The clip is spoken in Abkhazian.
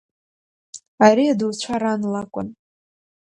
Ари адауцәа ран лакәын.